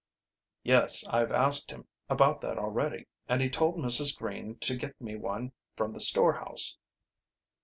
"Yes, I've asked him about that already, and he told Mrs. Green to get me one from the storehouse."